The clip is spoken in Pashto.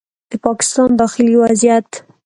د پاکستان داخلي وضعیت